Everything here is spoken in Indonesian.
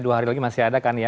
dua hari lagi masih ada kan ya